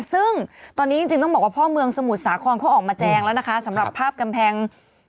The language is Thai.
ซึ่งตอนนี้จริงต้องบอกว่าพ่อเมืองสมุทรสาครเขาออกมาแจงแล้วนะคะสำหรับภาพกำแพง